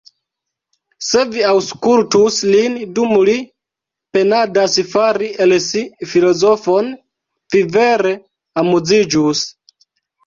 Se vi aŭskultus lin, dum li penadas fari el si filozofon, vi vere amuziĝus.